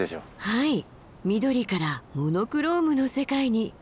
はい緑からモノクロームの世界に。